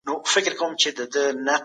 انسانان احساس کوي، فکرونه یې شخصي دي.